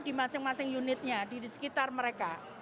di masing masing unitnya di sekitar mereka